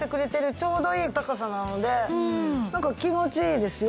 ちょうどいい高さなのでなんか気持ちいいですよ。